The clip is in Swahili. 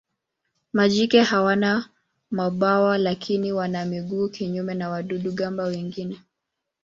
Majike hawana mabawa lakini wana miguu kinyume na wadudu-gamba wengine.